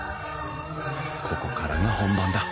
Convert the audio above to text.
ここからが本番だ。